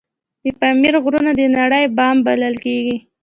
د پامیر غرونه د نړۍ بام بلل کیږي